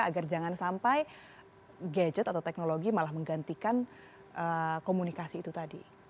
agar jangan sampai gadget atau teknologi malah menggantikan komunikasi itu tadi